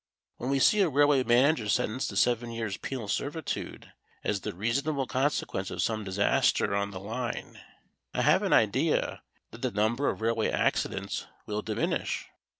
When we see a railway manager sentenced to seven years' penal servitude as the reasonable consequence of some disaster on the line, I have an idea that the number of railway accidents will diminish.